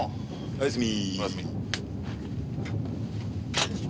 おやすみ。